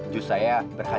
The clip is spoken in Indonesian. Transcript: jus saya berkacau